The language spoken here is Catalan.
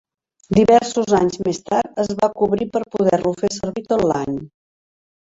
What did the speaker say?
Diversos anys més tard es va cobrir per poder-lo fer servir tot l'any.